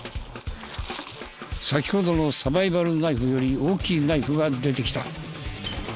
先ほどのサバイバルナイフより大きいナイフが出てきた。